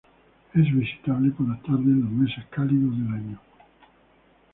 Es visitable por las tardes en los meses cálidos del año.